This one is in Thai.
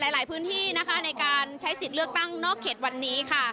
หลายพื้นที่นะคะในการใช้สิทธิ์เลือกตั้งนอกเขตวันนี้ค่ะ